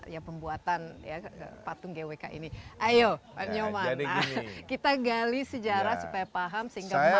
ya pembuatan ya kepatung gwk ini ayo nyaman kita gali sejarah supaya paham sehingga dulu apa namanya